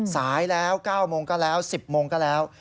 สายแล้ว๙โมงก็แล้ว๑๐โมงก็แล้ว